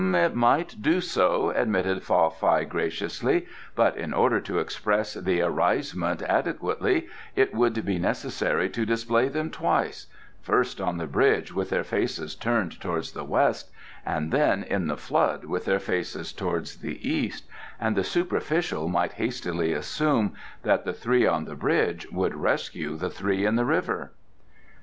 "It might do so," admitted Fa Fai graciously, "but in order to express the arisement adequately it would be necessary to display them twice first on the bridge with their faces turned towards the west, and then in the flood with their faces towards the east; and the superficial might hastily assume that the three on the bridge would rescue the three in the river."